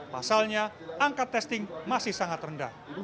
pasalnya angka testing masih sangat rendah